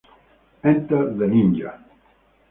Enter the Ninja